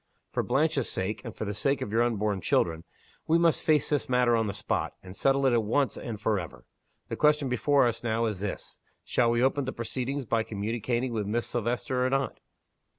For Blanche's sake, and for the sake of your unborn children, we must face this matter on the spot and settle it at once and forever. The question before us now is this. Shall we open the proceedings by communicating with Miss Silvester or not?"